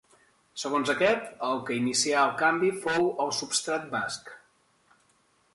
Segons aquest, el que inicià el canvi fou el substrat basc.